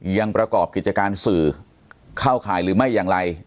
ยังประกอบกิจการสื่อเข้าข่ายหรือไม่อย่างไร